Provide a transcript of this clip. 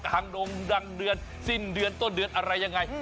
งดงดังเดือนสิ้นเดือนต้นเดือนอะไรยังไง